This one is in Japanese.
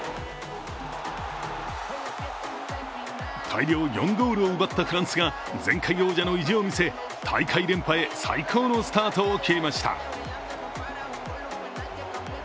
大量４ゴールを奪ったフランスが前回王者の意地を見せ、大会連覇へ最高のスタートを切りました。